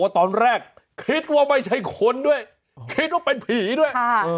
ตอนแรกคิดว่าไม่ใช่คนด้วยคิดว่าเป็นผีด้วย